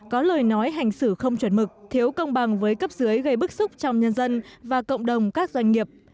có lời nói hành xử không chuẩn mực thiếu công bằng với cấp dưới gây bức xúc trong nhân dân và cộng đồng các doanh nghiệp